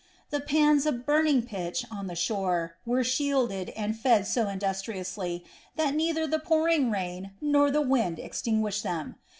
The pans of burning pitch on the shore were shielded and fed so industriously that neither the pouring rain nor the wind extinguished them.